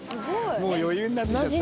もう余裕になっちゃった。